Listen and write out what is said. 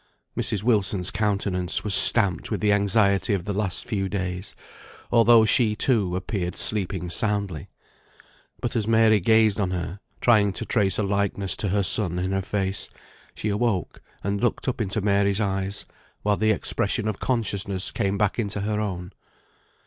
Mrs. Wilson's countenance was stamped with the anxiety of the last few days, although she, too, appeared sleeping soundly; but as Mary gazed on her, trying to trace a likeness to her son in her face, she awoke and looked up into Mary's eyes, while the expression of consciousness came back into her own.